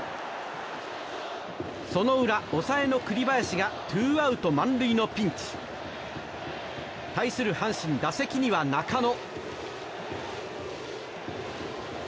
その裏、抑えの栗林がツーアウト満塁のピンチ。対する阪神、打席には中野。